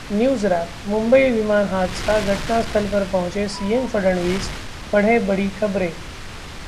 NewsWrap:मुंबई विमान हादसा, घटनास्थल पर पहुंचे सीएम फडणवीस, पढ़ें बड़ी खबरें